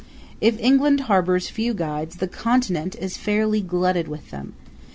If England harbors few guides the Continent is fairly glutted with them.